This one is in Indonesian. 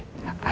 habis itu pak